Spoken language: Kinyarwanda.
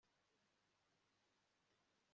uburakari bw'imana nibwihutire kubatsemba